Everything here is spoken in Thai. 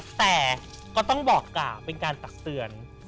แต่ก็ต้องบอกกล่าวเป็นการตักเตือน